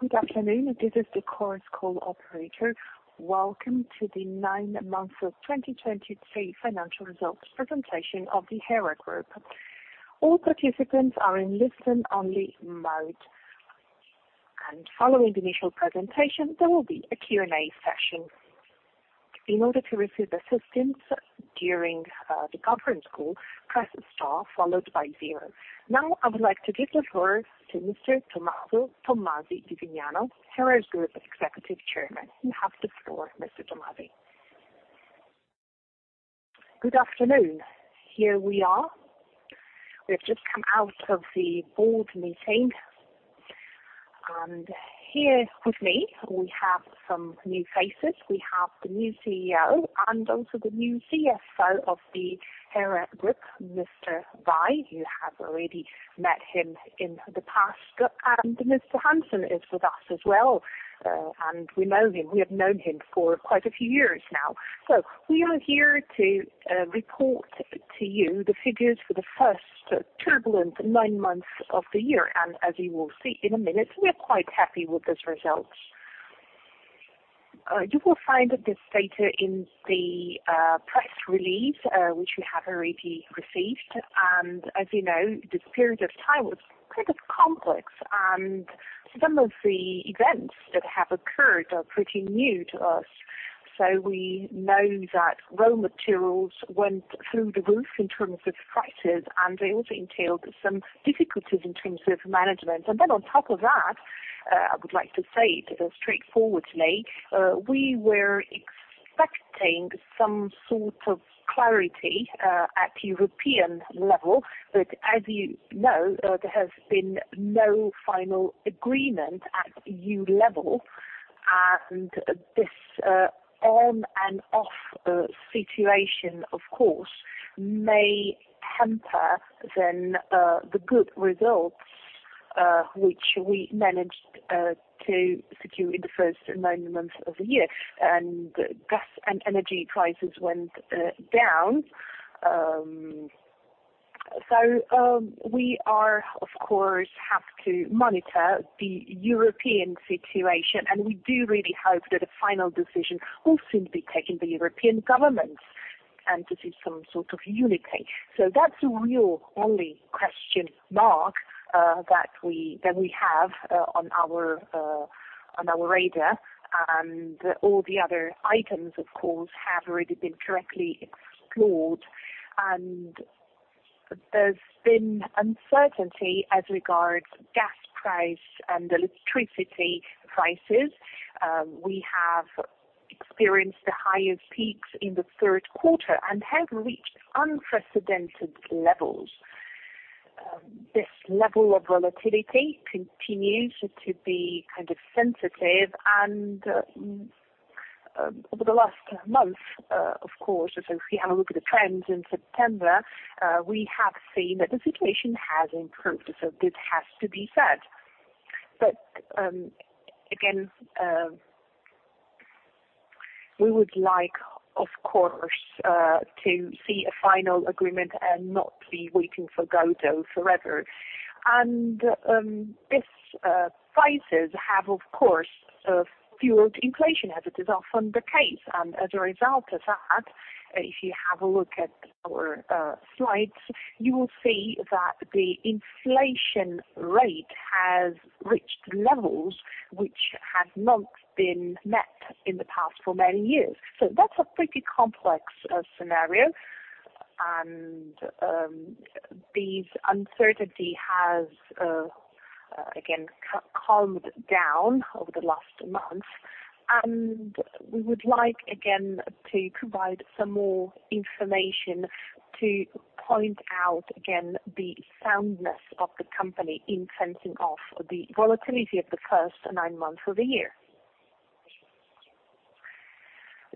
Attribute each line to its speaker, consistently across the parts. Speaker 1: Good afternoon. This is the Chorus Call operator. Welcome to the nine months of 2023 financial results presentation of the Hera Group. All participants are in listen only mode. Following the initial presentation, there will be a Q&A session. In order to receive assistance during the conference call, press star followed by zero. Now I would like to give the floor to Mr. Tomaso Tommasi di Vignano, Hera Group Executive Chairman. You have the floor, Mr. Tommasi.
Speaker 2: Good afternoon. Here we are. We have just come out of the board meeting. Here with me, we have some new faces. We have the new CEO and also the new CFO of the Hera Group, Mr. Vai. You have already met him in the past. Mr. Hansen is with us as well, and we know him. We have known him for quite a few years now. We are here to report to you the figures for the first turbulent nine months of the year. As you will see in a minute, we are quite happy with these results. You will find this data in the press release, which you have already received. As you know, this period of time was kind of complex, and some of the events that have occurred are pretty new to us. We know that raw materials went through the roof in terms of prices, and they also entailed some difficulties in terms of management. On top of that, I would like to say that straightforwardly, we were expecting some sort of clarity at European level. As you know, there has been no final agreement at EU level. This on and off situation of course may hamper then the good results which we managed to secure in the first nine months of the year. Gas and energy prices went down. We are of course have to monitor the European situation, and we do really hope that a final decision will soon be taken by European governments, and to see some sort of unity. That's the real only question mark that we have on our radar. All the other items of course have already been directly explored. There's been uncertainty as regards gas price and electricity prices. We have experienced the highest peaks in the third quarter and have reached unprecedented levels. This level of volatility continues to be kind of sensitive and, over the last month, of course, if we have a look at the trends in September, we have seen that the situation has improved. This has to be said. Again, we would like of course to see a final agreement and not be waiting for Godot forever. These prices have of course fueled inflation as it is often the case. As a result of that, if you have a look at our slides, you will see that the inflation rate has reached levels which have not been met in the past for many years. That's a pretty complex scenario. This uncertainty has again calmed down over the last month. We would like, again, to provide some more information to point out again the soundness of the company in fencing off the volatility of the first nine months of the year.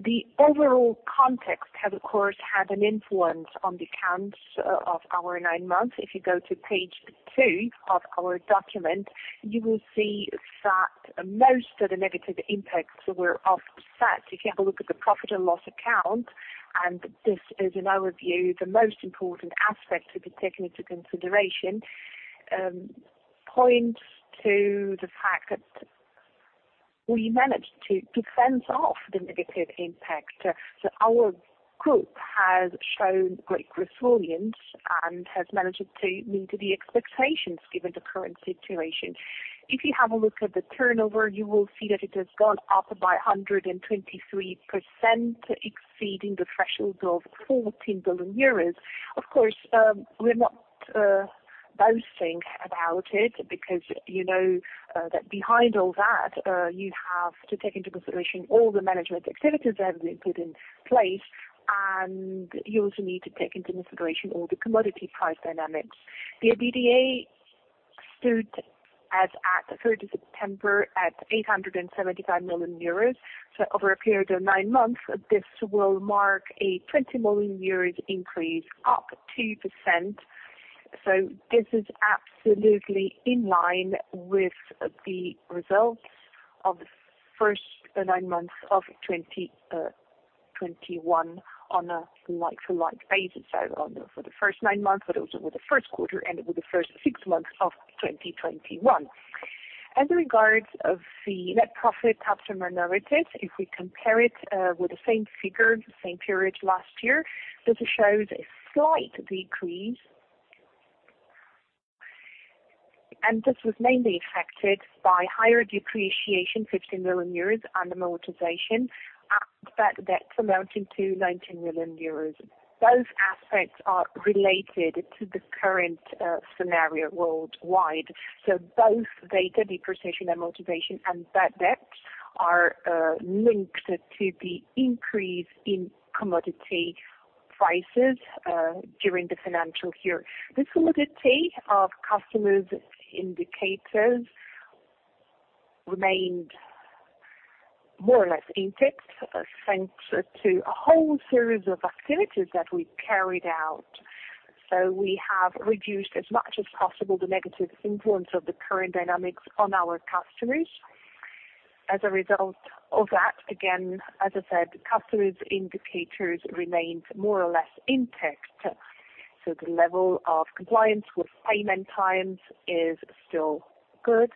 Speaker 2: The overall context has of course had an influence on the accounts of our nine months. If you go to page two of our document, you will see that most of the negative impacts were offset. If you have a look at the profit and loss account, and this is, in our view, the most important aspect to be taken into consideration, points to the fact that we managed to fence off the negative impact. Our group has shown great resilience and has managed to meet the expectations given the current situation. If you have a look at the turnover, you will see that it has gone up by 123%, exceeding the threshold of 14 billion euros. Of course, we're not boasting about it because you know that behind all that you have to take into consideration all the management activities that have been put in place, and you also need to take into consideration all the commodity price dynamics. The EBITDA stood as at 3rd of September at 875 million euros. Over a period of nine months, this will mark a 20 million euros increase, up 2%. This is absolutely in line with the results of the first nine months of 2023 on a like-for-like basis, for the first nine months, but also with the first quarter and with the first six months of 2021. As regards the net profit after minorities, if we compare it with the same figure, the same period last year, this shows a slight decrease. This was mainly affected by higher depreciation, 15 million euros, and amortization, and bad debt amounting to 19 million euros. Those aspects are related to the current scenario worldwide. Both data, depreciation and amortization, and bad debt are linked to the increase in commodity prices during the financial year. The solidity of customers indicators remained more or less intact, thanks to a whole series of activities that we carried out. We have reduced as much as possible the negative influence of the current dynamics on our customers. As a result of that, again, as I said, customers indicators remained more or less intact. The level of compliance with payment times is still good.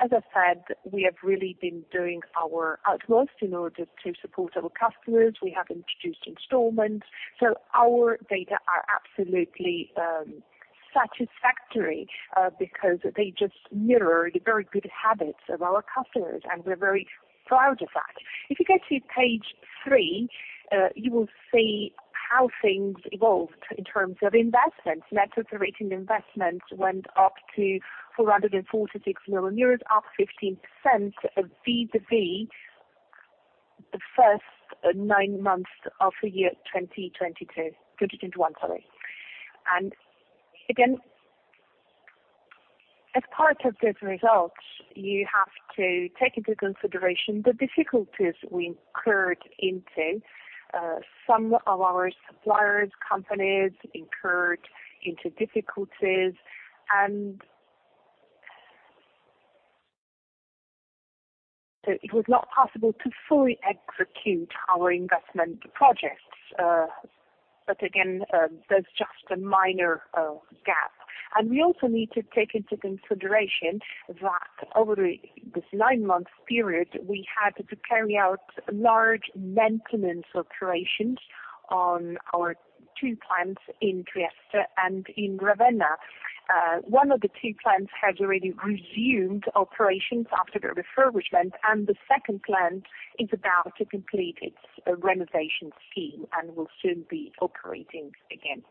Speaker 2: As I said, we have really been doing our utmost in order to support our customers. We have introduced installments. Our data are absolutely satisfactory, because they just mirror the very good habits of our customers, and we're very proud of that. If you go to page three, you will see how things evolved in terms of investments. Net of the retained investments went up to 446 million euros, up 15% vis-à-vis the first nine months of the year 2022. 2021, sorry. Again, as part of this result, you have to take into consideration the difficulties we incurred into. Some of our suppliers, companies incurred into difficulties, and so it was not possible to fully execute our investment projects. Again, that's just a minor gap. We also need to take into consideration that over this nine-month period, we had to carry out large maintenance operations on our two plants in Trieste and in Ravenna. One of the two plants has already resumed operations after the refurbishment, and the second plant is about to complete its renovation scheme and will soon be operating again.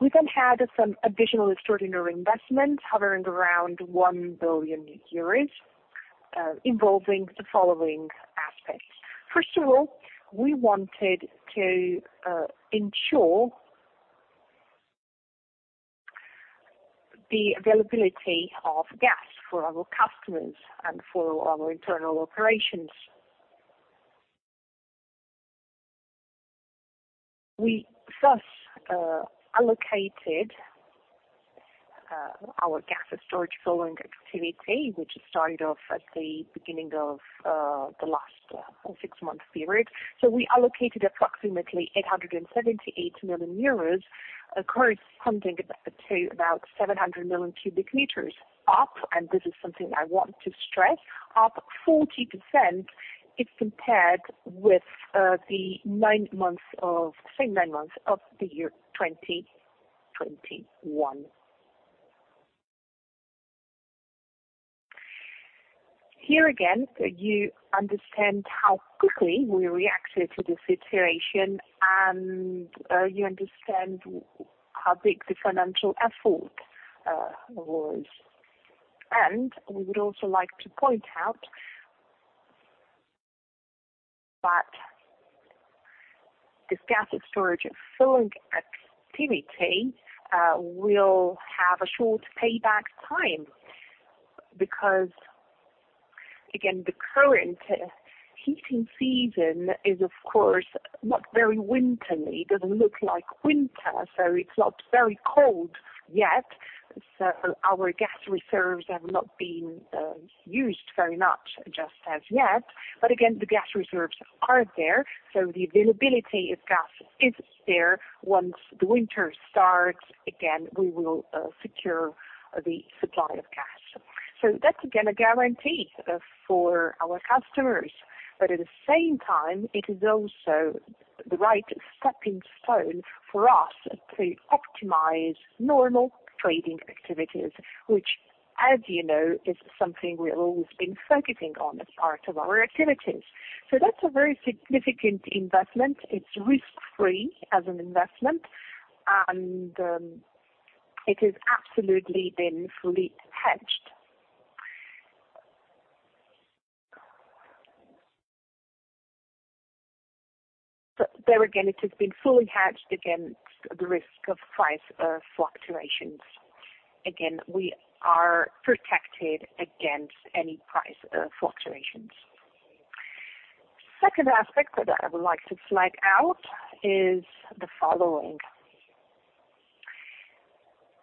Speaker 2: We had some additional extraordinary investments hovering around 1 billion euros, involving the following aspects. First of all, we wanted to ensure the availability of gas for our customers and for our internal operations. We thus allocated our gas storage filling activity, which started off at the beginning of the last six-month period. We allocated approximately 878 million euros, corresponding to about 700 million cubic meters up, and this is something I want to stress, up 40% if compared with the same nine months of the year 2021. Here again, you understand how quickly we reacted to the situation, and you understand how big the financial effort was. We would also like to point out that this gas storage filling activity will have a short payback time because, again, the current heating season is, of course, not very wintery. It doesn't look like winter, so it's not very cold yet. Our gas reserves have not been used very much just as yet. Again, the gas reserves are there, so the availability of gas is there. Once the winter starts, again, we will secure the supply of gas. That's again a guarantee for our customers. At the same time, it is also the right stepping stone for us to optimize normal trading activities, which, as you know, is something we have always been focusing on as part of our activities. That's a very significant investment. It's risk-free as an investment, and it has absolutely been fully hedged. There again, it has been fully hedged against the risk of price fluctuations. Again, we are protected against any price fluctuations. Second aspect that I would like to flag out is the following.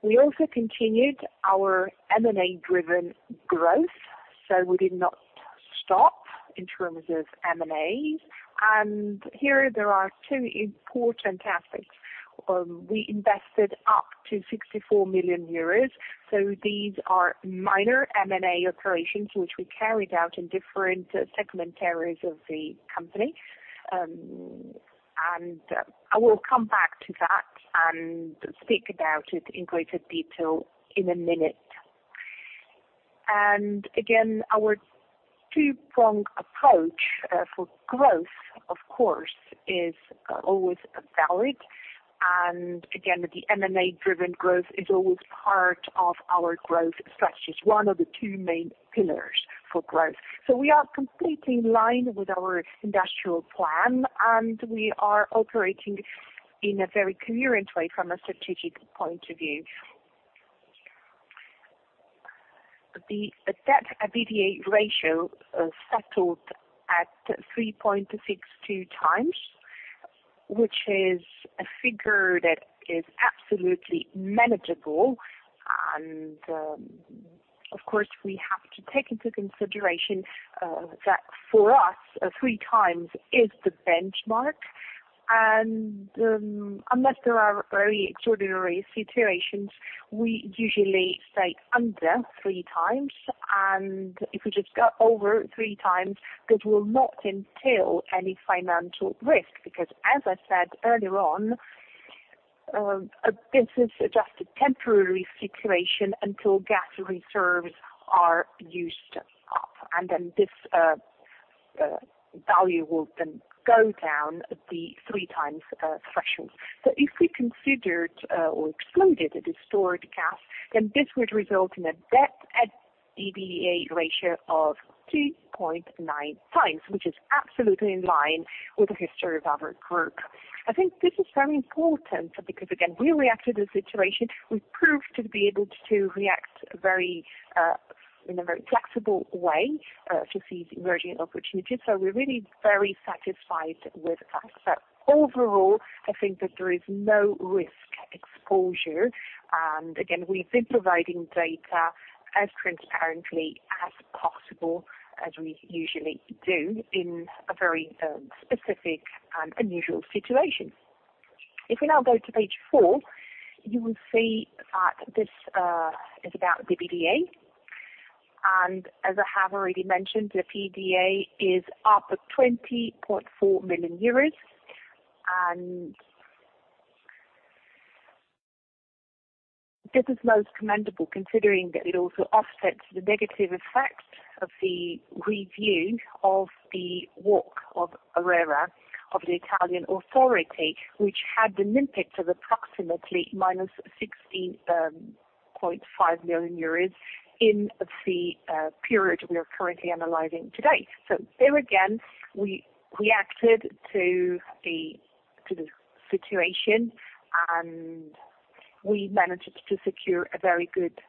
Speaker 2: We also continued our M&A driven growth, so we did not stop in terms of M&A. Here there are two important aspects. We invested up to 64 million euros. These are minor M&A operations which we carried out in different segment areas of the company. I will come back to that and speak about it in greater detail in a minute. Our two-pronged approach for growth, of course, is always valid. Our M&A driven growth is always part of our growth strategy. It's one of the two main pillars for growth. We are completely in line with our industrial plan, and we are operating in a very coherent way from a strategic point of view. The debt/EBITDA ratio settled at 3.62 times, which is a figure that is absolutely manageable. Of course, we have to take into consideration that for us, 3 times is the benchmark. Unless there are very extraordinary situations, we usually stay under 3 times. If we just go over 3 times, that will not entail any financial risk because as I said earlier on, this is just a temporary situation until gas reserves are used up. Then this value will then go down the 3 times threshold. If we considered or excluded the stored gas, then this would result in a debt EBITDA ratio of 2.9 times, which is absolutely in line with the history of our group. I think this is very important because again, we reacted to the situation. We proved to be able to react very in a very flexible way to these emerging opportunities. We're really very satisfied with that. Overall, I think that there is no risk exposure. Again, we've been providing data as transparently as possible, as we usually do in a very specific and unusual situation. If we now go to page four, you will see that this is about the EBITDA. As I have already mentioned, the EBITDA is up EUR 20.4 million. This is most commendable, considering that it also offsets the negative effect of the review of the work of ARERA, of the Italian Authority, which had an impact of approximately -16.5 million euros in the period we are currently analyzing today. There again, we reacted to the situation, and we managed to secure a very good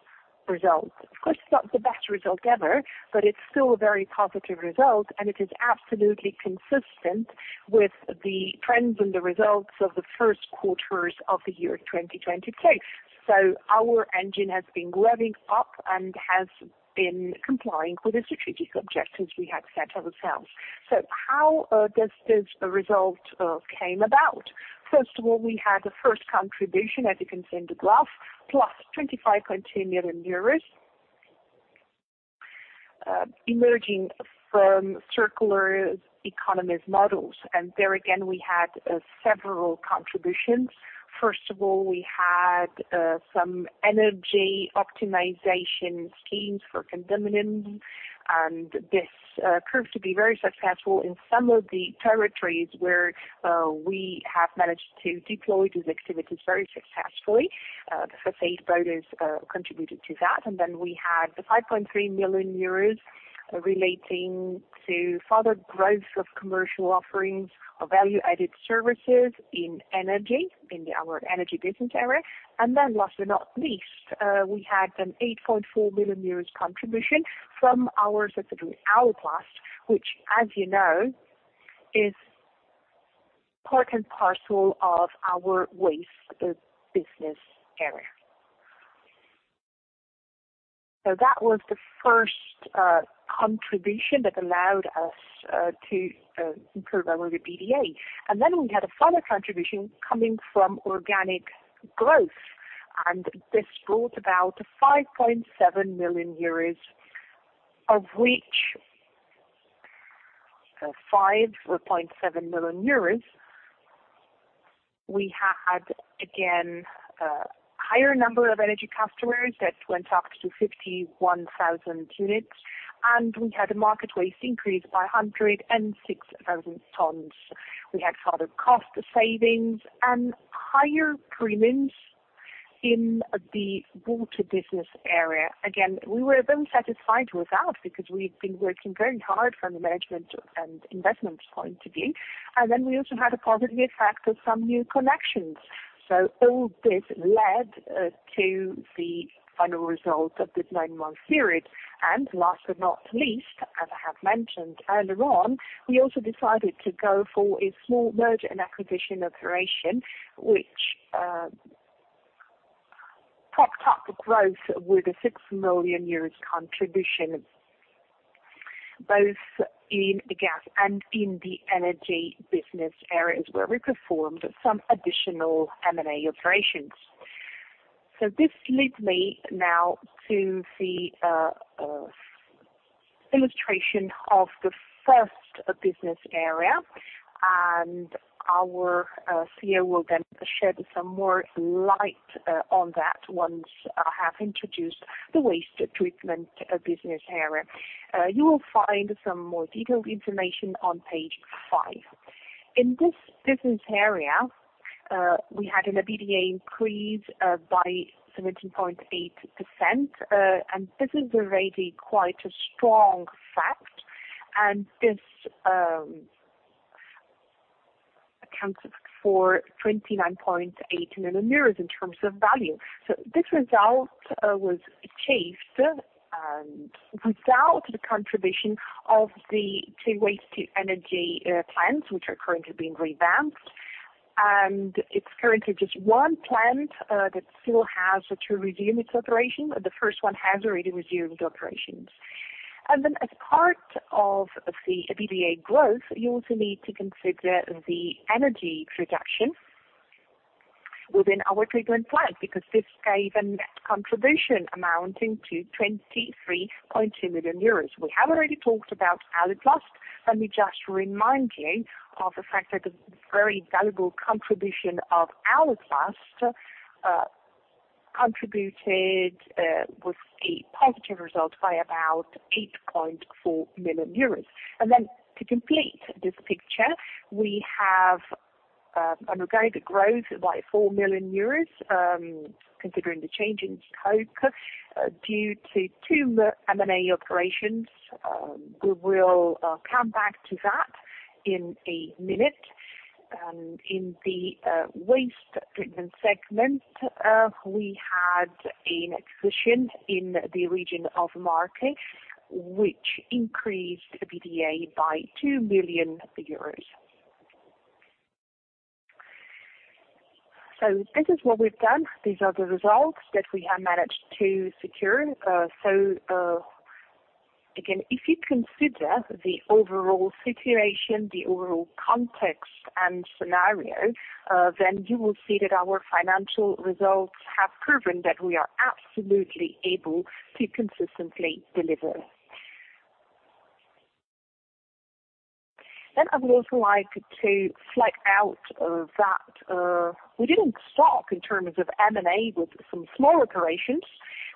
Speaker 2: result. Of course, it's not the best result ever, but it's still a very positive result, and it is absolutely consistent with the trends and the results of the first quarters of the year 2022. Our engine has been revving up and has been complying with the strategic objectives we have set ourselves. How does this result came about? First of all, we had the first contribution, as you can see in the graph, +25.2 million emerging from circular economy models. There again, we had several contributions. First of all, we had some energy optimization schemes for condominiums, and this proved to be very successful in some of the territories where we have managed to deploy these activities very successfully. Phase borders contributed to that. We had the 5.3 million euros relating to further growth of commercial offerings or value-added services in energy, in our energy business area. Last but not least, we had an 8.4 million euros contribution from our subsidiary, Aliplast, which, as you know, is part and parcel of our waste business area. That was the first contribution that allowed us to improve our EBITDA. We had a further contribution coming from organic growth, and this brought about 5.7 million euros, of which 5.7 million euros we had again higher number of energy customers that went up to 51,000 units, and we had the market waste increase by 106,000 tons. We had further cost savings and higher premiums in the water business area. Again, we were very satisfied with that because we've been working very hard from the management and investment point of view. We also had a positive effect of some new connections. All this led to the final result of this nine-month period. Last but not least, as I have mentioned earlier on, we also decided to go for a small merger and acquisition operation which top growth with a 6 million contribution, both in the gas and in the energy business areas where we performed some additional M&A operations. This leads me now to the illustration of the first business area, and our CEO will then shed some more light on that once I have introduced the waste treatment business area. You will find some more detailed information on page five. In this business area, we had an EBITDA increase by 17.8%, and this is already quite a strong fact, and this accounts for 29.8 million euros in terms of value. This result was achieved without the contribution of the two waste-to-energy plants which are currently being revamped. It's currently just one plant that still has to resume its operation. The first one has already resumed operations. As part of the EBITDA growth, you also need to consider the energy production within our treatment plant, because this gave a contribution amounting to 23.2 million euros. We have already talked about Aliplast, let me just remind you of the fact that the very valuable contribution of Aliplast contributed with a positive result by about 8.4 million euros. To complete this picture, we have an organic growth by 4 million euros, considering the change in scope due to two M&A operations. We will come back to that in a minute. In the waste treatment segment, we had an acquisition in the region of Marche, which increased the EBITDA by 2 million euros. This is what we've done. These are the results that we have managed to secure. Again, if you consider the overall situation, the overall context and scenario, then you will see that our financial results have proven that we are absolutely able to consistently deliver. I would also like to flag out that we didn't stop in terms of M&A with some small operations.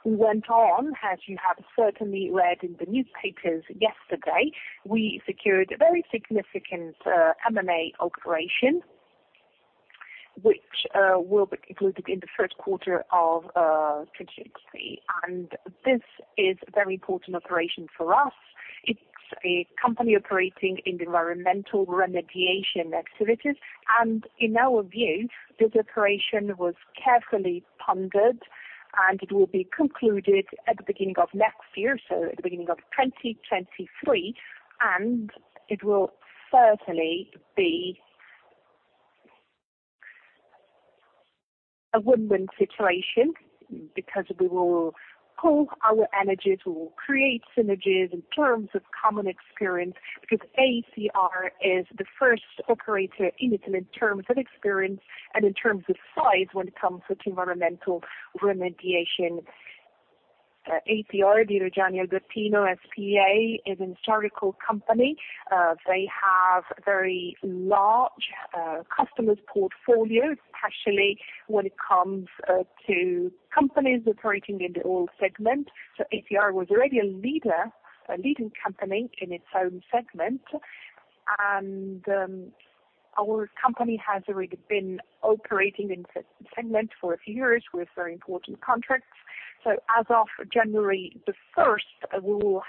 Speaker 2: We went on, as you have certainly read in the newspapers yesterday, we secured a very significant M&A operation, which will be included in the first quarter of 2023. This is a very important operation for us. It's a company operating in the environmental remediation activities. In our view, this operation was carefully pondered, and it will be concluded at the beginning of next year, so at the beginning of 2023, and it will certainly be a win-win situation because we will pool our energies, we will create synergies in terms of common experience, because ACR is the first operator in Italy in terms of experience and in terms of size when it comes to environmental remediation. ACR di Reggiani Albertino S.p.A. is an historical company. They have very large customer portfolios, especially when it comes to companies operating in the oil segment. ACR was already a leading company in its own segment. Our company has already been operating in the segment for a few years with very important contracts. As of January 1st, we will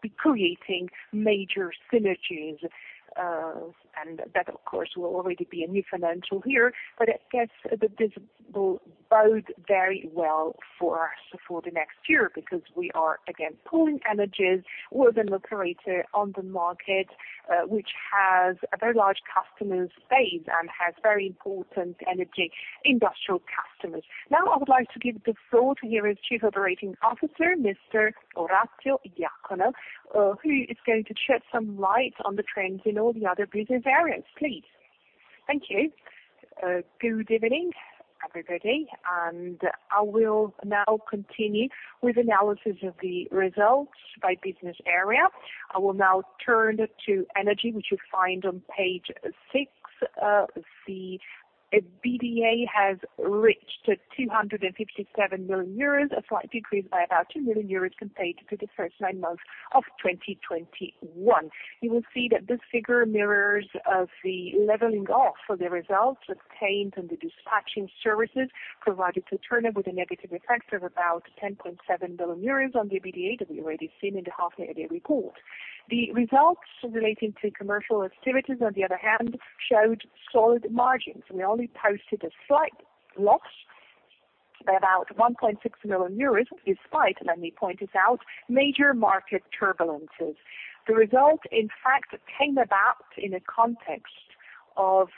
Speaker 2: be creating major synergies, and that, of course, will already be a new financial year. I guess that this will bode very well for us for the next year because we are again pooling energies with an operator on the market, which has a very large customer base and has very important energy and industrial customers. Now, I would like to give the floor to Hera's Chief Operating Officer, Mr. Orazio Iacono, who is going to shed some light on the trends in all the other business areas. Please.
Speaker 3: Thank you. Good evening, everybody, and I will now continue with analysis of the results by business area. I will now turn to energy, which you find on page six. The EBITDA has reached 257 million euros, a slight increase by about 2 million euros compared to the first nine months of 2021. You will see that this figure mirrors the leveling off of the results obtained on the dispatching services provided to Terna, with a negative effect of about 10.7 million euros on the EBITDA that we already seen in the half year report. The results relating to commercial activities, on the other hand, showed solid margins, and we only posted a slight loss, about 1.6 million euros, despite, let me point this out, major market turbulences. The result, in fact, came about in a context of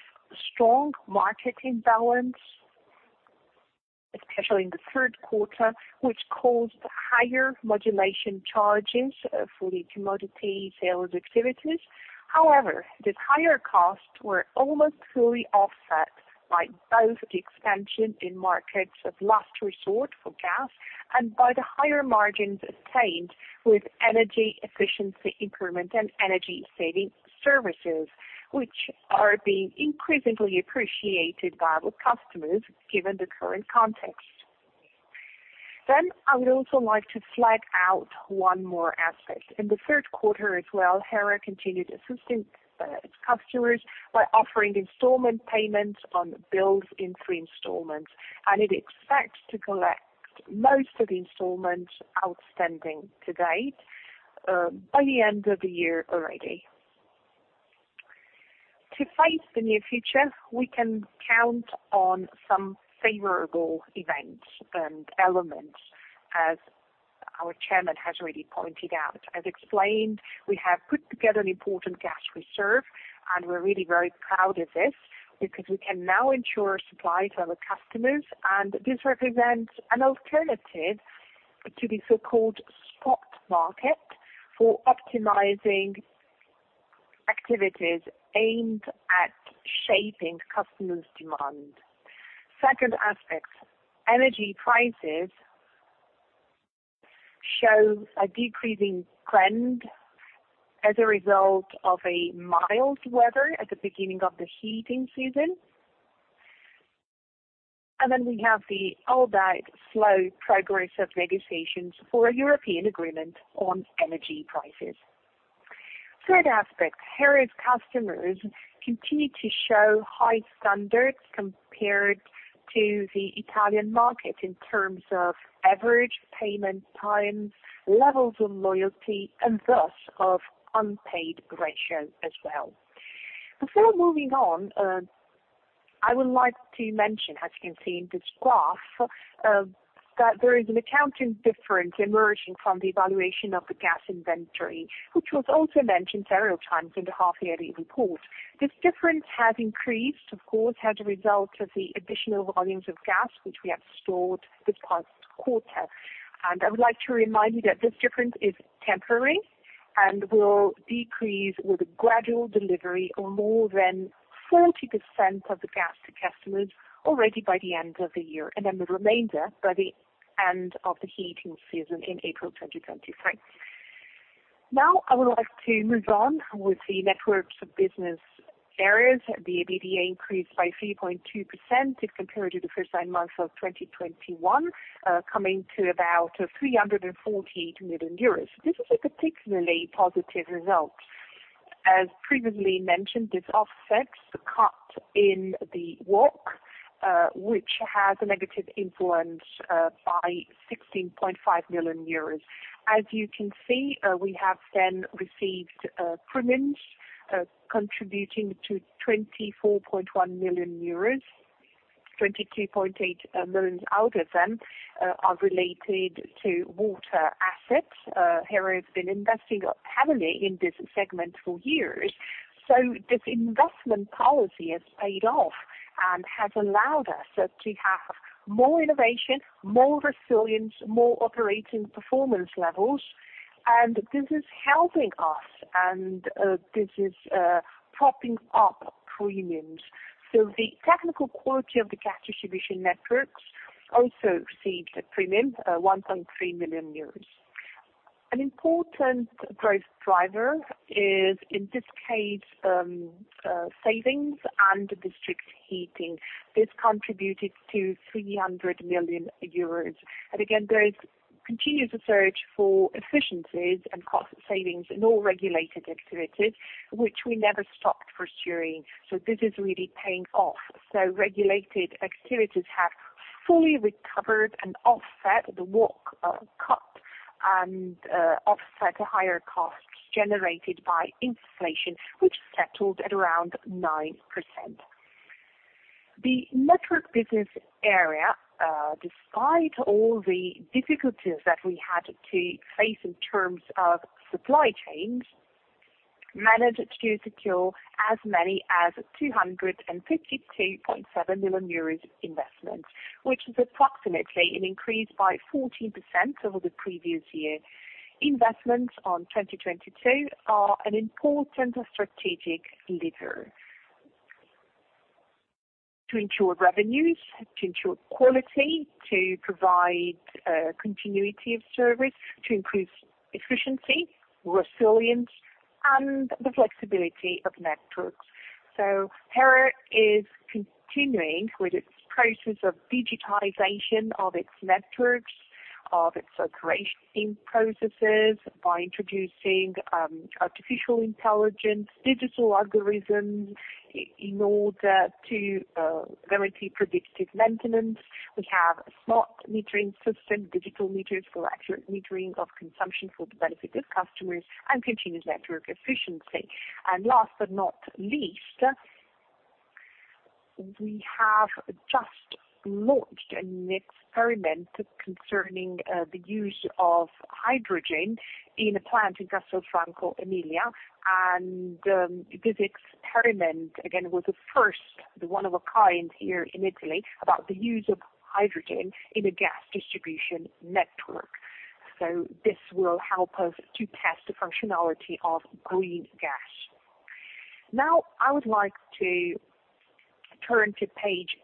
Speaker 3: strong market imbalance, especially in the third quarter, which caused higher imbalance charges for the commodity sales activities. However, the higher costs were almost fully offset by both the expansion in markets of last resort for gas and by the higher margins attained with energy efficiency improvement and energy saving services, which are being increasingly appreciated by our customers given the current context. I would also like to flag out one more aspect. In the third quarter as well, Hera continued assisting its customers by offering installment payments on bills in three installments, and it expects to collect most of the installments outstanding to date by the end of the year already. To face the near future, we can count on some favorable events and elements as our chairman has already pointed out. As explained, we have put together an important gas reserve, and we're really very proud of this because we can now ensure supply to our customers, and this represents an alternative to the so-called spot market for optimizing activities aimed at shaping customers' demand. Second aspect, energy prices show a decreasing trend as a result of a mild weather at the beginning of the heating season. We have the albeit slow progress of negotiations for a European agreement on energy prices. Third aspect, Hera's customers continue to show high standards compared to the Italian market in terms of average payment time, levels of loyalty, and thus of unpaid ratio as well. Before moving on, I would like to mention, as you can see in this graph, that there is an accounting difference emerging from the evaluation of the gas inventory, which was also mentioned several times in the half-yearly report. This difference has increased, of course, as a result of the additional volumes of gas which we have stored this past quarter. I would like to remind you that this difference is temporary and will decrease with a gradual delivery of more than 40% of the gas to customers already by the end of the year, and then the remainder by the end of the heating season in April 2023. Now I would like to move on with the networks business areas. The EBITDA increased by 3.2% if compared to the first nine months of 2021, coming to about 348 million euros. This is a particularly positive result. As previously mentioned, this offsets a cut in the WACC, which has a negative influence by 16.5 million euros. As you can see, we have then received premiums contributing to 24.1 million euros. 22.8 million out of them are related to water assets. Hera has been investing heavily in this segment for years. This investment policy has paid off and has allowed us to have more innovation, more resilience, more operating performance levels, and this is helping us, and this is propping up premiums. The technical quality of the gas distribution networks also received a premium, 1.3 million euros. An important growth driver is in this case, savings and district heating. This contributed to 300 million euros. Again, there is continuous search for efficiencies and cost savings in all regulated activities, which we never stopped pursuing. This is really paying off. Regulated activities have fully recovered and offset the WACC cut and offset higher costs generated by inflation, which settled at around 9%. The network business area, despite all the difficulties that we had to face in terms of supply chains, managed to secure as many as 252.7 million euros investment, which is approximately an increase by 14% over the previous year. Investments on 2022 are an important strategic lever to ensure revenues, to ensure quality, to provide continuity of service, to increase efficiency, resilience, and the flexibility of networks. Hera is continuing with its process of digitization of its networks, of its operating processes by introducing artificial intelligence, digital algorithms in order to guarantee predictive maintenance. We have smart metering systems, digital meters for accurate metering of consumption for the benefit of customers and continuous network efficiency. Last but not least, we have just launched an experiment concerning the use of hydrogen in a plant in Castelfranco Emilia. This experiment, again, was a first, the one of a kind here in Italy, about the use of hydrogen in a gas distribution network. This will help us to test the functionality of green gas. Now I would like to turn to page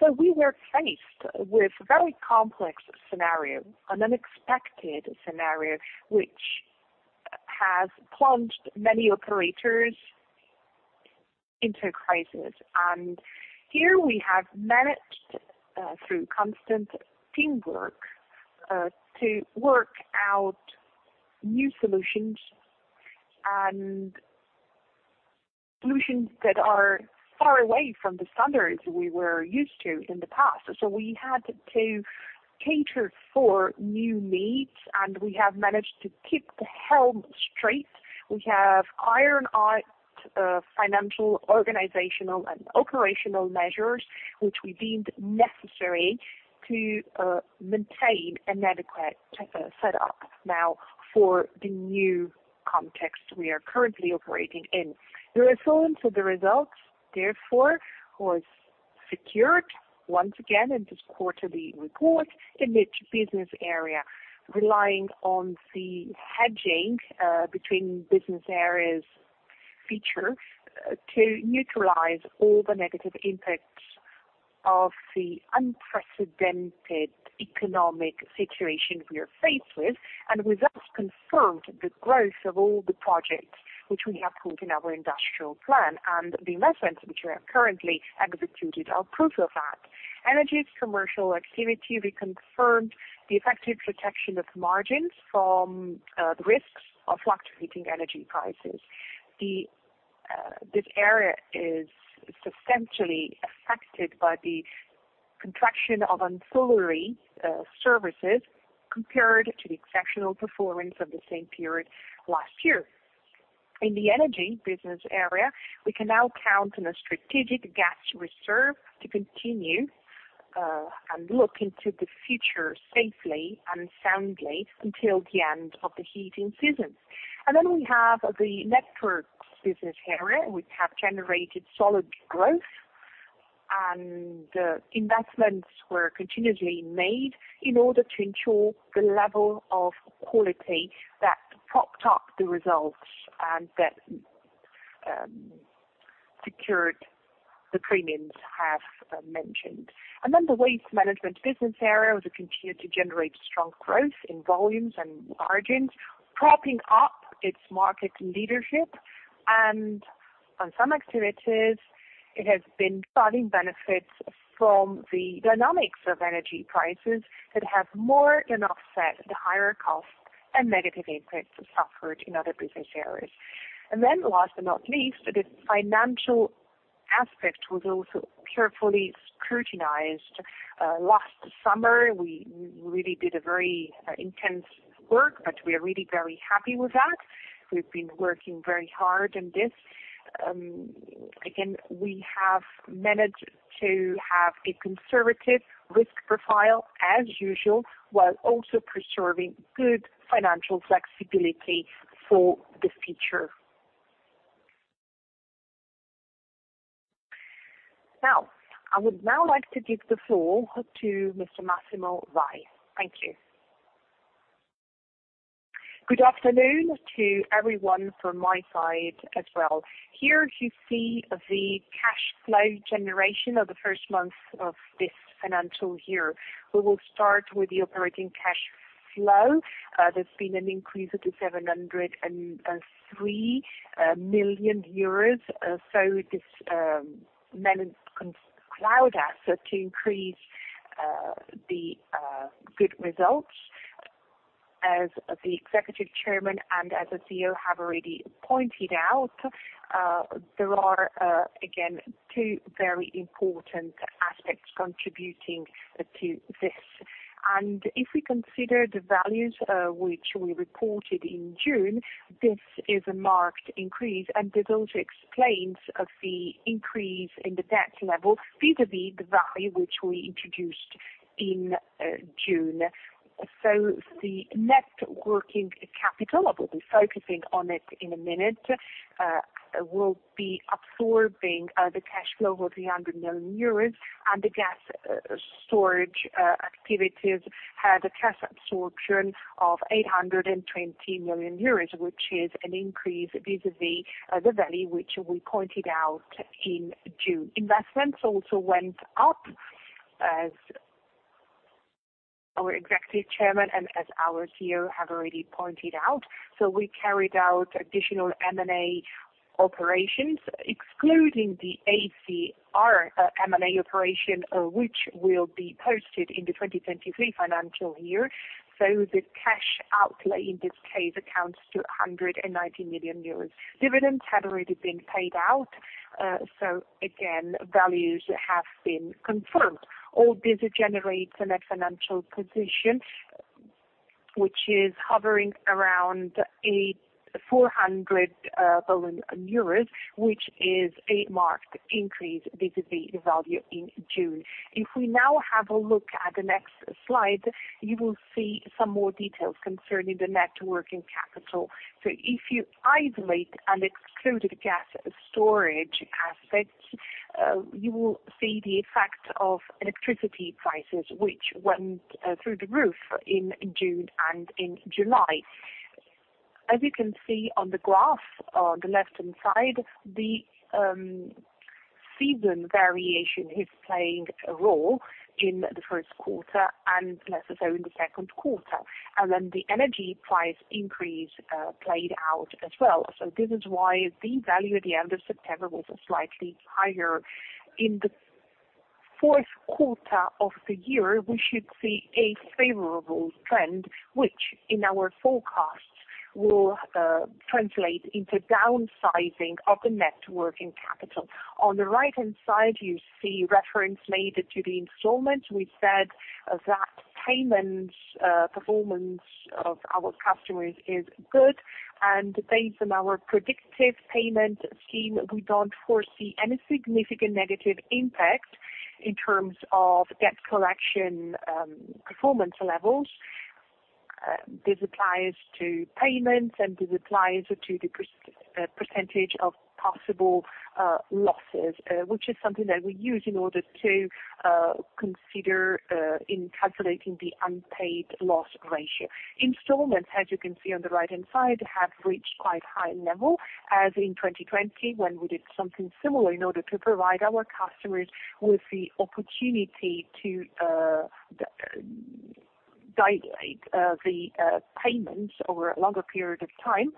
Speaker 3: eight. We were faced with a very complex scenario, an unexpected scenario, which has plunged many operators into crisis. Here we have managed, through constant teamwork, to work out new solutions and solutions that are far away from the standards we were used to in the past. we had to cater for new needs, and we have managed to keep the helm straight. We have ironed out, financial, organizational, and operational measures which we deemed necessary to, maintain an adequate type of setup now for the new context we are currently operating in. The resilience of the results, therefore, was secured once again in this quarterly report in each business area, relying on the hedging, between business areas feature, to neutralize all the negative impacts of the unprecedented economic situation we are faced with. Results confirmed the growth of all the projects which we have put in our industrial plan. The investments which we have currently executed are proof of that. Energy's commercial activity, we confirmed the effective protection of margins from the risks of fluctuating energy prices. This area is substantially affected by the contraction of ancillary services compared to the exceptional performance of the same period last year. In the energy business area, we can now count on a strategic gas reserve to continue and look into the future safely and soundly until the end of the heating season. Then we have the networks business area, which have generated solid growth. Investments were continuously made in order to ensure the level of quality that propped up the results and that secured the premiums I have mentioned. The waste management business area, which continued to generate strong growth in volumes and margins, propping up its market leadership. On some activities, it has been drawing benefits from the dynamics of energy prices that have more than offset the higher costs and negative impacts suffered in other business areas. Last but not least, the financial aspect was also carefully scrutinized. Last summer, we really did a very intense work, but we are really very happy with that. We've been working very hard on this. Again, we have managed to have a conservative risk profile as usual, while also preserving good financial flexibility for the future. Now, I would like to give the floor to Mr. Massimo Vai. Thank you.
Speaker 4: Good afternoon to everyone from my side as well. Here you see the cash flow generation of the first month of this financial year. We will start with the operating cash flow. There's been an increase of the 703 million euros. This managed to allow that, so to increase the good results. As the executive chairman and as the CEO have already pointed out, there are again two very important aspects contributing to this. If we consider the values which we reported in June, this is a marked increase, and it also explains the increase in the debt level vis-à-vis the value which we introduced in June. The net working capital, I will be focusing on it in a minute, will be absorbing the cash flow of 300 million euros. The gas storage activities had a cash absorption of 820 million euros, which is an increase vis-à-vis the value which we pointed out in June. Investments also went up, as our Executive Chairman and as our CEO have already pointed out. We carried out additional M&A operations, excluding the ACR M&A operation, which will be posted in the 2023 financial year. The cash outlay in this case accounts to 190 million euros. Dividends had already been paid out. Again, values have been confirmed. All this generates a net financial position which is hovering around 400 billion euros, which is a marked increase vis-à-vis the value in June. If we now have a look at the next slide, you will see some more details concerning the net working capital. If you isolate and exclude the gas storage assets, you will see the effect of electricity prices, which went through the roof in June and in July. As you can see on the graph on the left-hand side, the season variation is playing a role in the first quarter and less so in the second quarter. Then the energy price increase played out as well. This is why the value at the end of September was slightly higher. In the fourth quarter of the year, we should see a favorable trend, which in our forecasts will translate into downsizing of the net working capital. On the right-hand side, you see reference made to the installment. We said that payment performance of our customers is good. Based on our predictive payment scheme, we don't foresee any significant negative impact in terms of debt collection, performance levels. This applies to payments, and this applies to the percentage of possible losses, which is something that we use in order to consider in calculating the unpaid loss ratio. Installments, as you can see on the right-hand side, have reached quite high level as in 2020, when we did something similar in order to provide our customers with the opportunity to divide the payments over a longer period of time,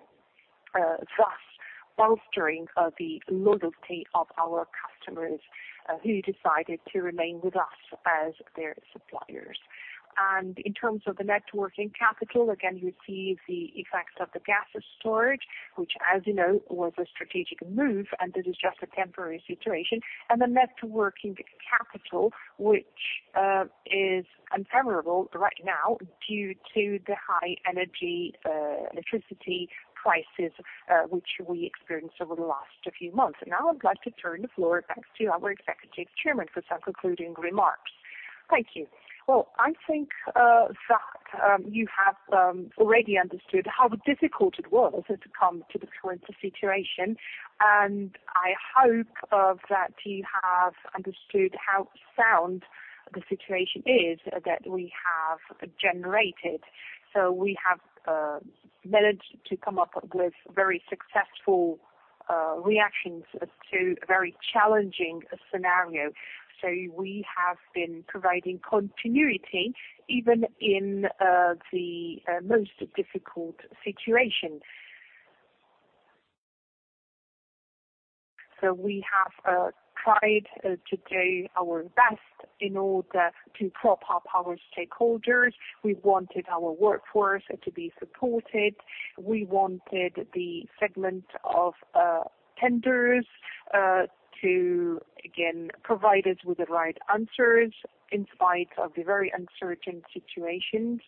Speaker 4: thus bolstering the loyalty of our customers, who decided to remain with us as their suppliers. In terms of the net working capital, again, you see the effects of the gas storage, which as you know, was a strategic move, and this is just a temporary situation. The net working capital, which, is unfavorable right now due to the high energy, electricity prices, which we experienced over the last few months. Now I'd like to turn the floor back to our Executive Chairman for some concluding remarks.
Speaker 2: Thank you. Well, I think you have already understood how difficult it was to come to the current situation. I hope that you have understood how sound the situation is that we have generated. We have managed to come up with very successful reactions to a very challenging scenario. We have been providing continuity even in the most difficult situation. We have tried to do our best in order to prop up our stakeholders. We wanted our workforce to be supported. We wanted the segment of tenders to again provide us with the right answers in spite of the very uncertain situations.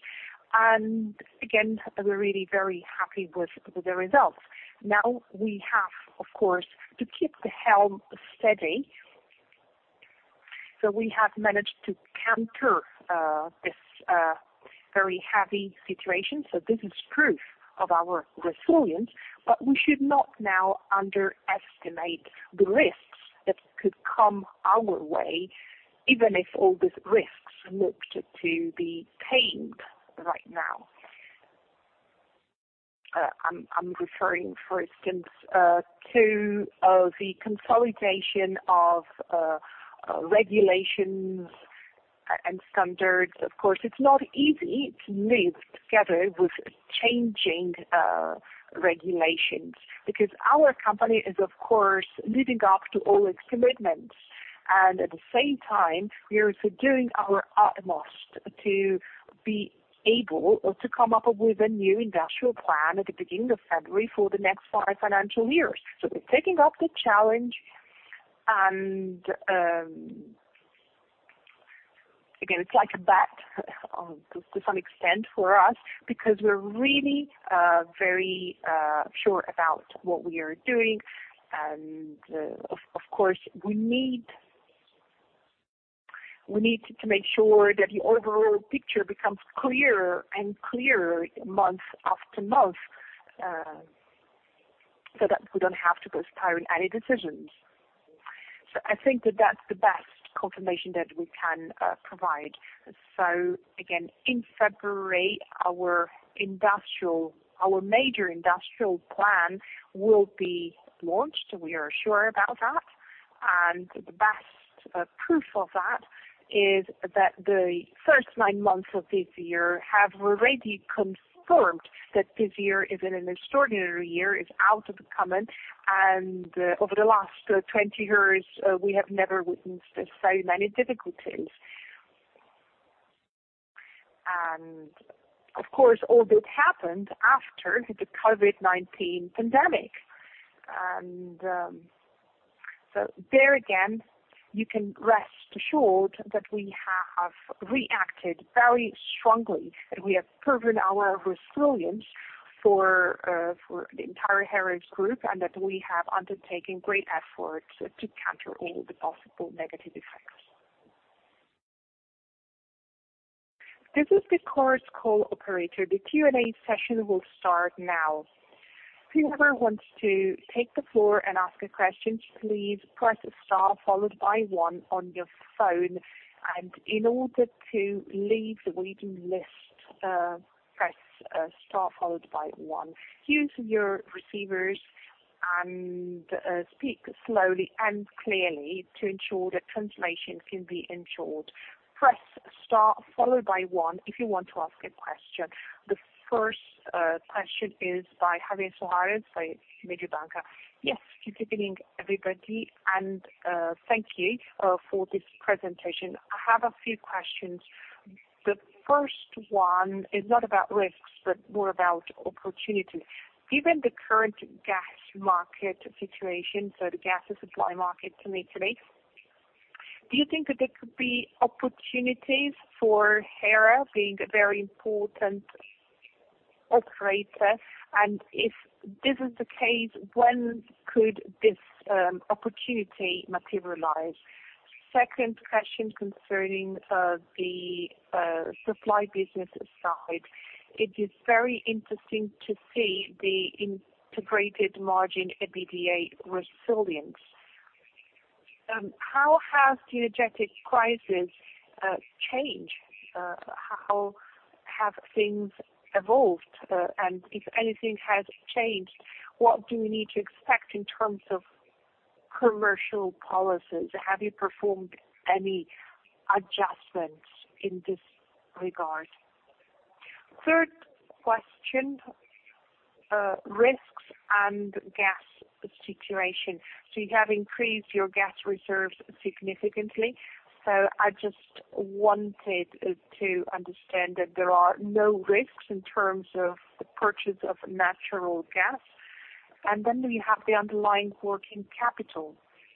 Speaker 2: Again, we're really very happy with the results. Now we have, of course, to keep the helm steady. We have managed to counter this very heavy situation. This is proof of our resilience, but we should not now underestimate the risks that could come our way, even if all these risks looked to be tamed right now. I'm referring, for instance, to the consolidation of regulations and standards. Of course, it's not easy to live together with changing regulations because our company is, of course, living up to all its commitments. At the same time, we are doing our utmost to be able to come up with a new industrial plan at the beginning of February for the next five financial years. We're taking up the challenge, and again, it's like a bet to some extent for us, because we're really very sure about what we are doing. Of course, we need to make sure that the overall picture becomes clearer and clearer month after month, so that we don't have to postpone any decisions. I think that that's the best confirmation that we can provide. Again, in February, our major industrial plan will be launched. We are sure about that. The best proof of that is that the first nine months of this year have already confirmed that this year is an extraordinary year, is out of the common. Over the last 20 years, we have never witnessed so many difficulties. Of course, all this happened after the COVID-19 pandemic. There again, you can rest assured that we have reacted very strongly, that we have proven our resilience for the entire Hera Group, and that we have undertaken great efforts to counter all the possible negative effects.
Speaker 1: This is the Chorus Call operator. The Q&A session will start now. Whoever wants to take the floor and ask a question, please press star followed by one on your phone. In order to leave the waiting list, press star followed by one. Use your receivers and speak slowly and clearly to ensure that translation can be ensured. Press star followed by one if you want to ask a question. The first question is by Javier Suarez of Mediobanca.
Speaker 5: Yes. Good evening, everybody, and thank you for this presentation. I have a few questions. The first one is not about risks, but more about opportunity. Given the current gas market situation, so the gas supply market mainly today, do you think that there could be opportunities for Hera being a very important operator? If this is the case, when could this opportunity materialize? Second question concerning the supply business side. It is very interesting to see the integrated margin EBITDA resilience. How has the energy crisis changed? How have things evolved? If anything has changed, what do we need to expect in terms of commercial policies? Have you performed any adjustments in this regard? Third question, risks and gas situation. You have increased your gas reserves significantly. I just wanted to understand that there are no risks in terms of the purchase of natural gas. You have the underlying working capital.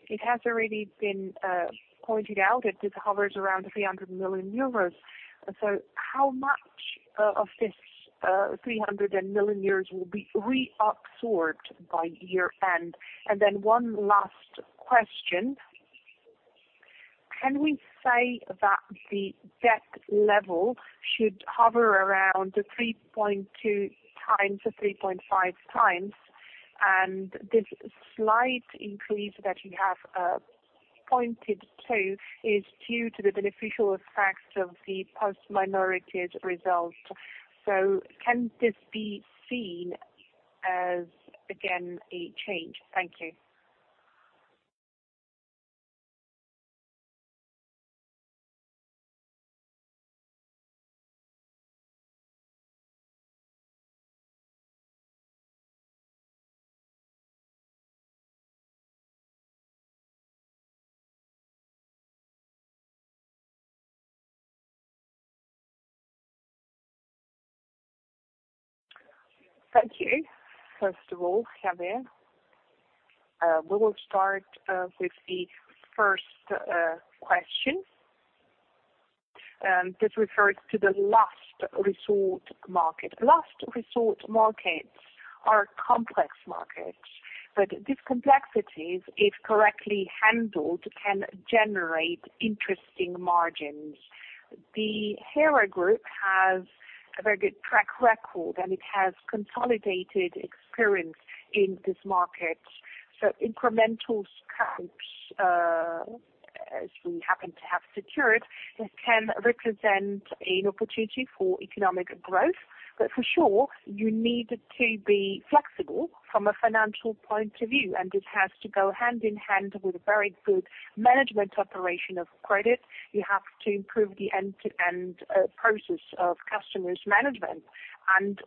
Speaker 5: It has already been pointed out that this hovers around 300 million euros. How much of this 300 million euros will be reabsorbed by year end? One last question. Can we say that the debt level should hover around the 3.2 times or 3.5 times, and this slight increase that you have pointed to is due to the beneficial effects of the post minority's results. Can this be seen as, again, a change? Thank you.
Speaker 3: First of all, Javier, we will start with the first question. This refers to the last resort market. Last resort markets are complex markets, but these complexities, if correctly handled, can generate interesting margins. The Hera Group has a very good track record, and it has consolidated experience in this market. Incremental scraps, as we happen to have secured, can represent an opportunity for economic growth. For sure, you need to be flexible from a financial point of view, and this has to go hand in hand with a very good management operation of credit. You have to improve the end-to-end process of customer management.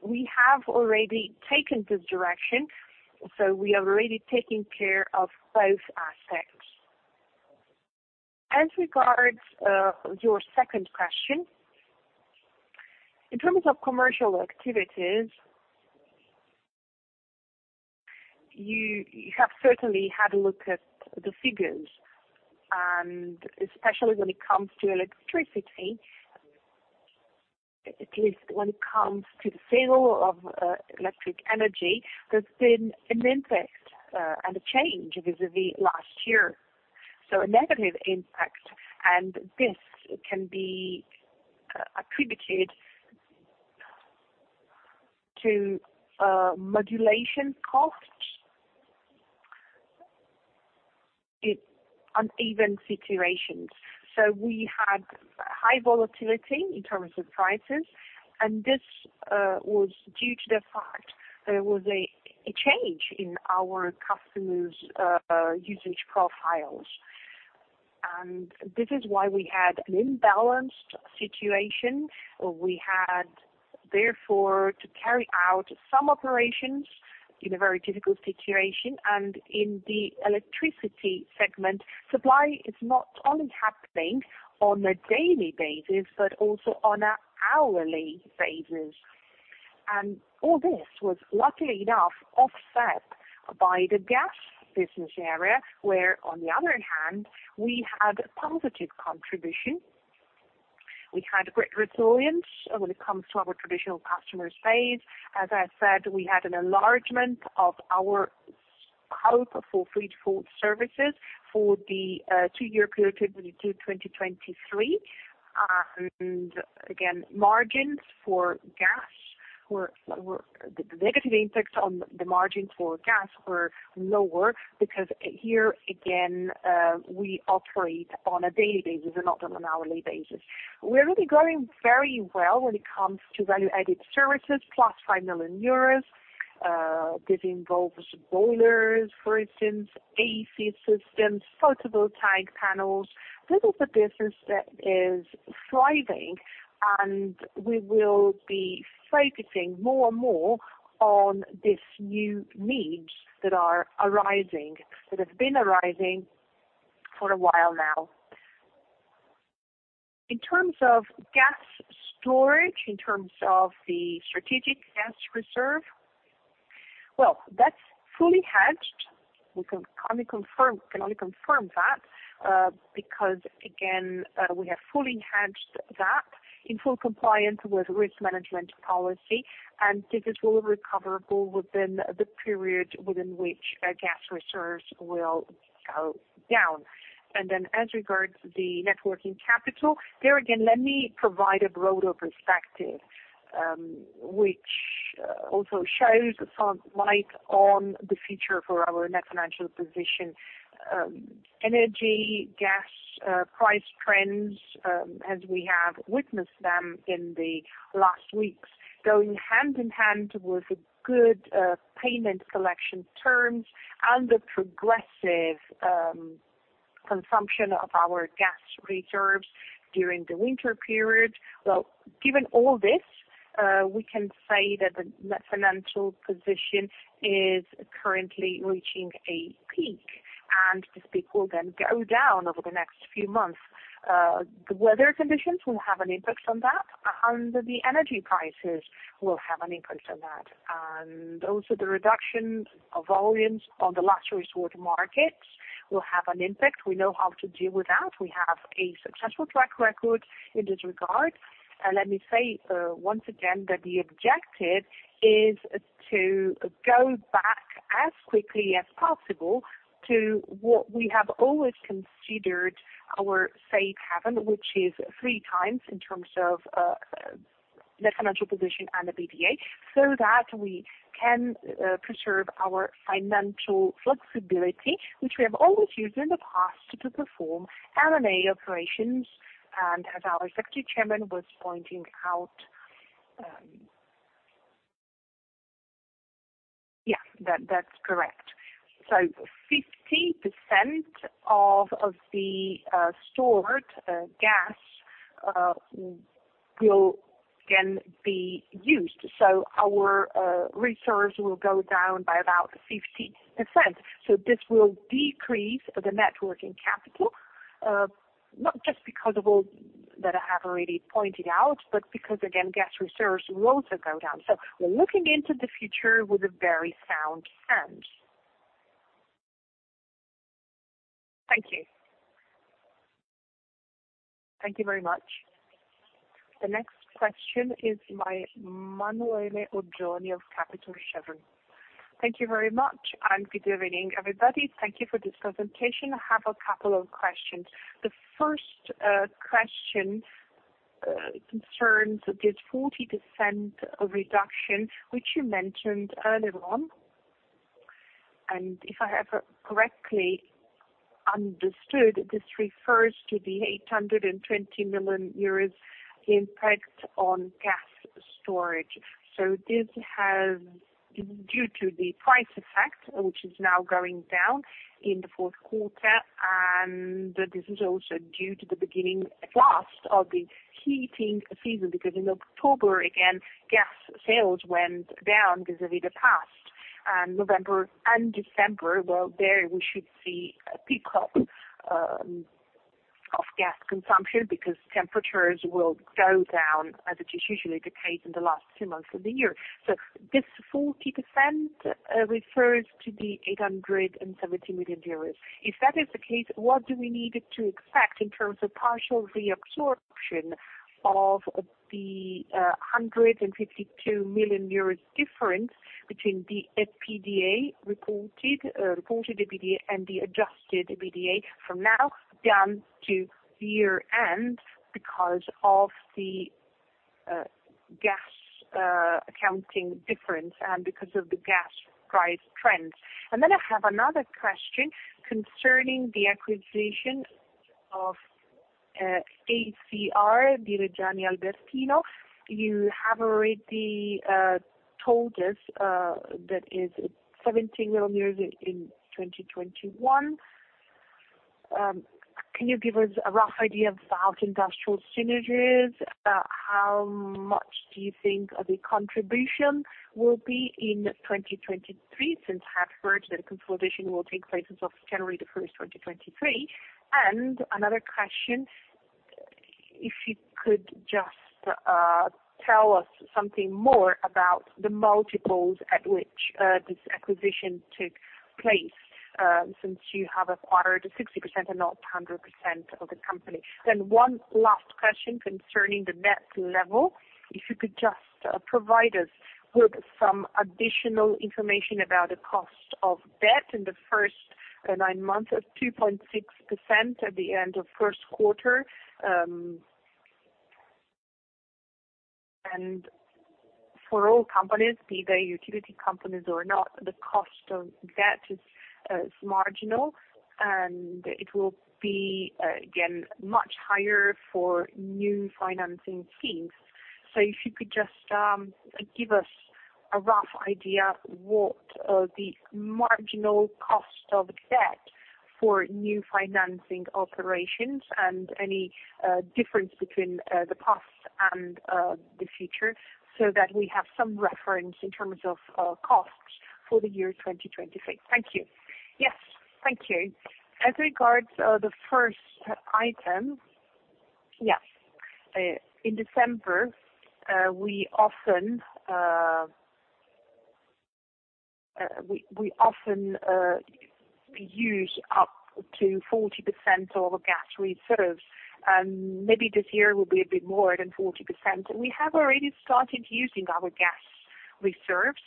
Speaker 3: We have already taken this direction, so we are already taking care of both aspects. As regards your second question, in terms of commercial activities, you have certainly had a look at the figures, and especially when it comes to electricity, at least when it comes to the sale of electric energy, there's been an impact and a change vis-à-vis last year. A negative impact, and this can be attributed to imbalance costs in imbalance situations. We had high volatility in terms of prices, and this was due to the fact there was a change in our customers' usage profiles. This is why we had an imbalanced situation. We had therefore to carry out some operations in a very difficult situation. In the electricity segment, supply is not only happening on a daily basis, but also on an hourly basis. All this was luckily enough offset by the gas business area, where on the other hand, we had positive contribution. We had great resilience when it comes to our traditional customer base. As I said, we had an enlargement of our scope for free to full services for the two-year period 2022, 2023. Margins for gas were the negative impacts on the margins for gas were lower because here again, we operate on a daily basis and not on an hourly basis. We will be growing very well when it comes to value-added services, +5 million euros. This involves boilers, for instance, AC systems, photovoltaic panels. This is a business that is thriving, and we will be focusing more and more on these new needs that are arising, that have been arising for a while now. In terms of gas storage, in terms of the strategic gas reserve, well, that's fully hedged. We can only confirm that, because again, we have fully hedged that in full compliance with risk management policy, and this is all recoverable within the period within which our gas reserves will go down. As regards the net working capital, there again, let me provide a broader perspective, which also shines some light on the future for our net financial position. Energy, gas price trends, as we have witnessed them in the last weeks, going hand in hand with good payment collection terms and the progressive consumption of our gas reserves during the winter period. Well, given all this, we can say that the net financial position is currently reaching a peak, and this peak will then go down over the next few months. The weather conditions will have an impact on that, and the energy prices will have an impact on that. Also the reduction of volumes on the last resort markets will have an impact. We know how to deal with that. We have a successful track record in this regard. Let me say once again that the objective is to go back as quickly as possible to what we have always considered our safe haven, which is three times in terms of net financial position and EBITDA, so that we can preserve our financial flexibility, which we have always used in the past to perform M&A operations. As our Executive Chairman was pointing out. Yes, that's correct. 50% of the stored gas will again be used. Our reserves will go down by about 50%. This will decrease the net working capital, not just because of all that I have already pointed out, but because again, gas reserves will also go down. We're looking into the future with a very sound hand.
Speaker 5: Thank you.
Speaker 3: Thank you very much.
Speaker 6: The next question is by Emanuele Oggioni of Kepler Cheuvreux. Thank you very much, and good evening, everybody. Thank you for this presentation. I have a couple of questions. The first question concerns this 40% reduction, which you mentioned earlier on. If I have correctly understood, this refers to the 820 million euros impact on gas storage. This has due to the price effect, which is now going down in the fourth quarter, and this is also due to the beginning last of the heating season, because in October, again, gas sales went down vis-à-vis the past. November and December, well, there we should see a pickup of gas consumption because temperatures will go down as it usually the case in the last two months of the year. This 40% refers to the 870 million euros. If that is the case, what do we need to expect in terms of partial reabsorption of the 152 million euros difference between the IFRS reported EBITDA and the adjusted EBITDA from now down to year-end because of the gas accounting difference and because of the gas price trends? I have another question concerning the acquisition of ACR di Reggiani Albertino. You have already told us that is 17 million in 2021. Can you give us a rough idea about industrial synergies? How much do you think the contribution will be in 2023 since I've heard that consolidation will take place as of January 1st, 2023? Another question. If you could just tell us something more about the multiples at which this acquisition took place, since you have acquired 60% and not 100% of the company. One last question concerning the debt level. If you could just provide us with some additional information about the cost of debt in the first nine months of 2.6% at the end of first quarter. And for all companies, be they utility companies or not, the cost of debt is marginal, and it will be again much higher for new financing schemes. If you could just give us a rough idea what the marginal cost of debt for new financing operations and any difference between the past and the future, so that we have some reference in terms of costs for the year 2023. Thank you.
Speaker 3: Yes, thank you. As regards the first item. Yes. In December we often use up to 40% of our gas reserves, and maybe this year will be a bit more than 40%. We have already started using our gas reserves,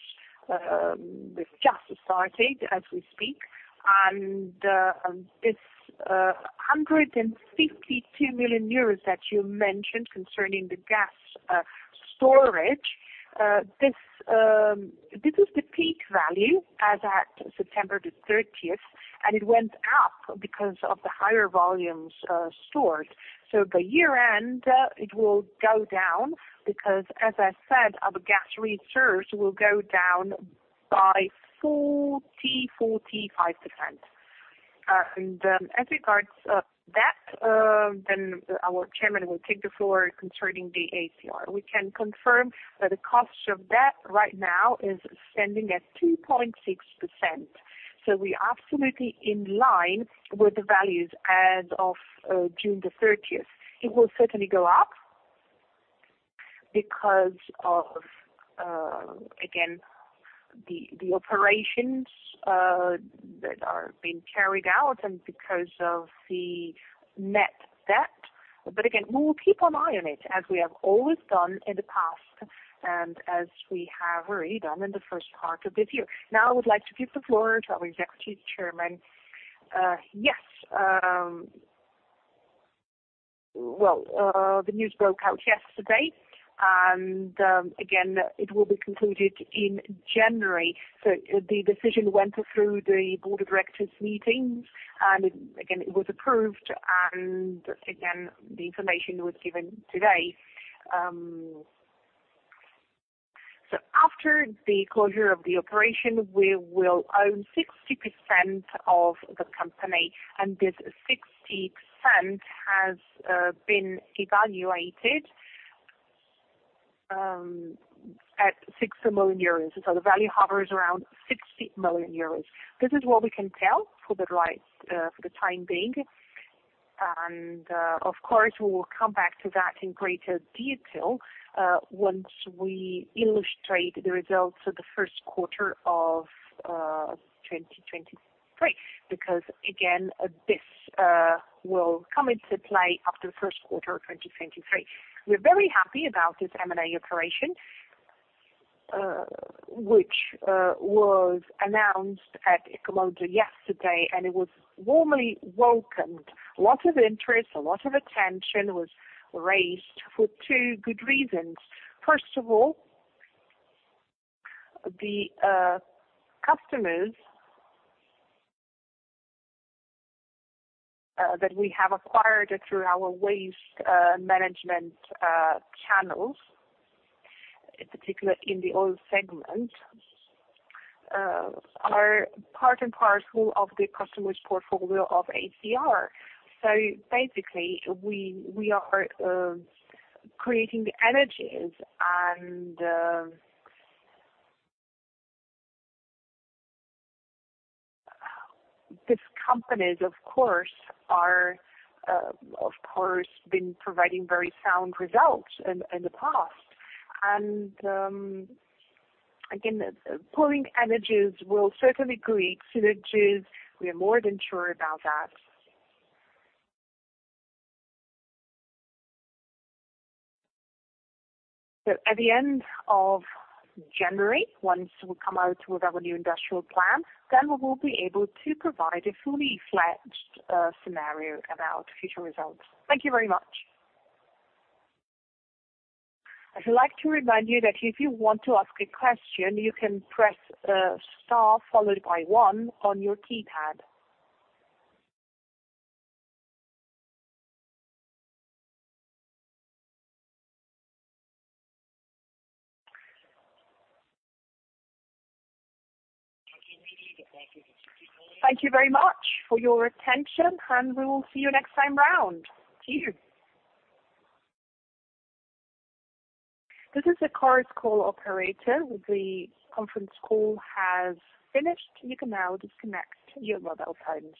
Speaker 3: we've just started as we speak. This 152 million euros that you mentioned concerning the gas storage, this is the peak value as at September 30th, and it went up because of the higher volumes stored. By year-end, it will go down because as I said, our gas reserves will go down by 40%-45%. As regards debt, then our chairman will take the floor concerning the ACR. We can confirm that the cost of debt right now is standing at 2.6%. We are absolutely in line with the values as of June thirtieth. It will certainly go up because of again, the operations that are being carried out and because of the net debt. We will keep an eye on it, as we have always done in the past and as we have already done in the first half of this year. I would like to give the floor to our executive chairman.
Speaker 2: Yes, well, the news broke out yesterday. It will be concluded in January. The decision went through the board of directors meetings, and again, it was approved and again, the information was given today. After the closure of the operation, we will own 60% of the company, and this 60% has been evaluated at 6 million euros. The value hovers around 6 million euros. This is what we can tell for the time being. Of course, we will come back to that in greater detail once we illustrate the results of the first quarter of 2023, because again, this will come into play after the first quarter of 2023. We are very happy about this M&A operation, which was announced at Ecomondo yesterday, and it was warmly welcomed. A lot of interest, a lot of attention was raised for two good reasons. First of all, the customers that we have acquired through our waste management channels, in particular in the oil segment, are part and parcel of the customers portfolio of ACR. Basically, we are creating the synergies and these companies of course been providing very sound results in the past. Again, pooling synergies will certainly create synergies. We are more than sure about that. At the end of January, once we come out with our new industrial plan, then we will be able to provide a fully-fledged scenario about future results. Thank you very much.
Speaker 1: I'd like to remind you that if you want to ask a question you can press star followed by one on your keypad. Thank you very much for your attention, and we will see you next time round. Cheers. This is a Chorus Call operator. The conference call has finished. You can now disconnect your mobile phones.